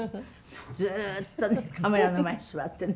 ずっとカメラの前に座ってるの。